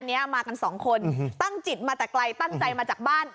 เนี้ยมากันสองคนตั้งจิตมาแต่ไกลตั้งใจมาจากบ้าน